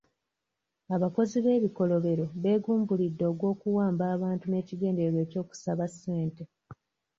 Abakozi b'ebikolobero beegumbulidde ogw'okuwamba abantu n'ekigendererwa eky'okusaba ssente.